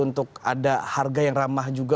untuk ada harga yang ramah juga